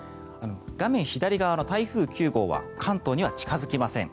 画面左側の台風９号は関東には近付きません。